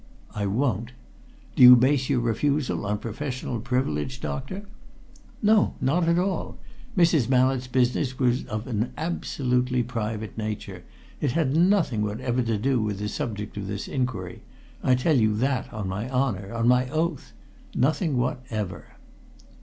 "I won't!" "Do you base your refusal on professional privilege, doctor?" "No! Not at all. Mrs. Mallett's business was of an absolutely private nature. It had nothing whatever to do with the subject of this inquiry I tell you that on my honour, on my oath. Nothing whatever!"